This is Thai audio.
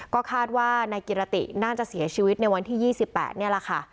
ก็คาดว่านายกิรติน่าจะเสียชีวิตในวันที่๒๘นี่แหละค่ะ